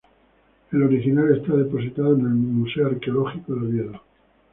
El original está depositado en el Museo Arqueológico de Oviedo.